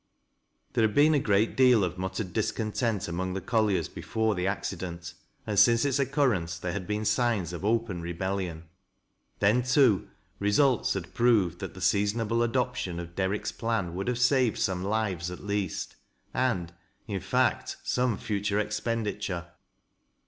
There had been a great deal of muttered disconteni among the colliers before the accident, and since its occur reuce there had been signs of open rebellion. Then, toa 248 THAT LASa W LOWSIETS. results had proved that the seasonable adoption of Deirick'i plan would have saved some lives at least, and, in fact, some future expenditure.